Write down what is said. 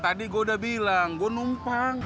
tadi gua udah bilang gua numpang